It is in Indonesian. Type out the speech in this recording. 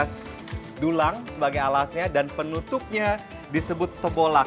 sebagai alasnya dan penutupnya disebut tebolak